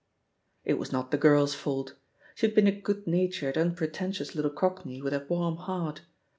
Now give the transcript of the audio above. It was not the girl's fault: she had been a good natured, unpretentious little Cockney with a warm heart.